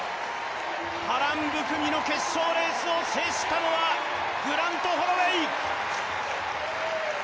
波乱含みの決勝レースを制したのはグラント・ホロウェイ！